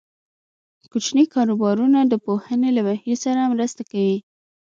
کوچني کاروبارونه د پوهنې له بهیر سره مرسته کوي.